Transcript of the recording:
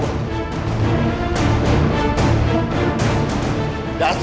dasar diri kamu